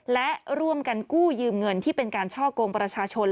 และร่วมกันกู้ยืมเงินที่เป็นการช่อกงประชาชน